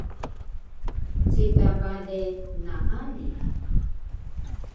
Ceka bale naali